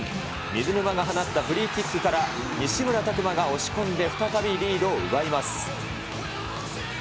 水沼が放ったフリーキックから、西村拓真が押し込んで、再びリードを奪います。